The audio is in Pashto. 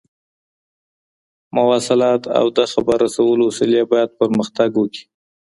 مواصلات او د خبر رسولو وسيلې بايد پرمختګ وکړي.